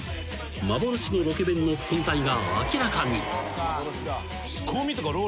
［幻のロケ弁の存在が明らかに］